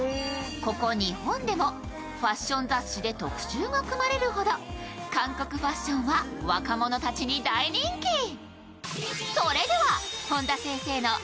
ここ日本でもファッション雑誌で特集が組まれるほど韓国ファッションは若者たちに大人気。